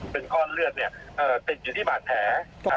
เป็นก้อนเลือดติดอยู่ที่บาดแผล